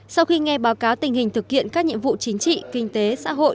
sau khi nghe báo cáo tình hình thực hiện các nhiệm vụ chính trị kinh tế xã hội